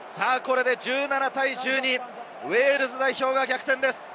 これで１７対１２、ウェールズ代表が逆転です。